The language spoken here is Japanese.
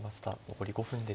残り５分です。